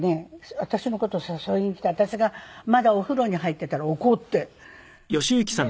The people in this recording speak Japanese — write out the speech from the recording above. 私の事を誘いに来て私がまだお風呂に入ってたら怒ってねえ？